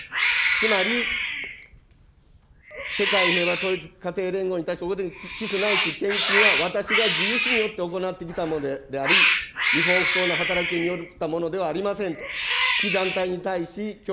つまり、世界平和統一家庭連合に対する寄付ないし献金は、私が自由意思によって行ってきたものであり、違法不当な働きによったものではありませんと。